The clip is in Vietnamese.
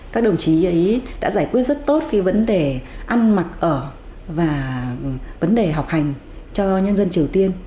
các đồng chí ấy đã giải quyết rất tốt cái vấn đề ăn mặc ở và vấn đề học hành cho nhân dân triều tiên